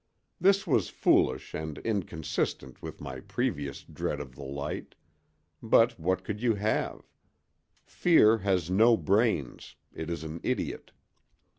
This was foolish and inconsistent with my previous dread of the light, but what would you have? Fear has no brains; it is an idiot.